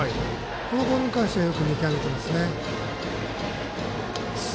ゾーンに関してはよく見極めていますね。